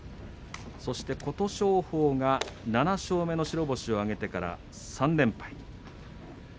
そして琴勝峰が７勝目の白星を挙げてから３連敗です。